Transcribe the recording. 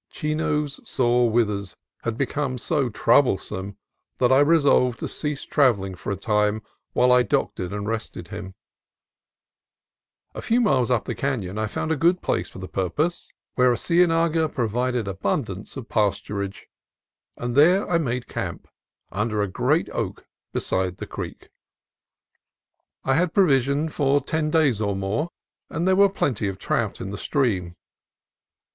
Chino's sore withers had become so troublesome that I resolved to cease travelling for a time while I doctored and rested him. A few miles up the canon I found a good place for the purpose, where a cienaga provided abundance of pasturage, and there I made camp, under a great oak beside the creek. I had provisions for ten days or more, and there were plenty of trout in the stream.